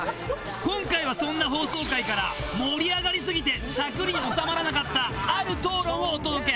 今回はそんな放送回から盛り上がりすぎて尺に収まらなかったある討論をお届け。